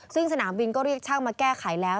ซึ่งสนามบินก็เรียกช่างมาแก้ไขแล้ว